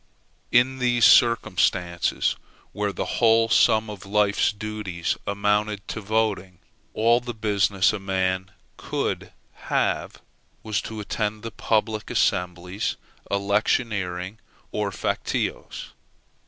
In these circumstances, where the whole sum of life's duties amounted to voting, all the business a man could have was to attend the public assemblies, electioneering, or factious.